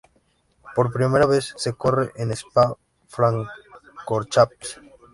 Por primera vez se corre en Spa-Francorchamps.